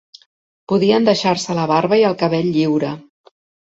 Podien deixar-se la barba i el cabell lliure.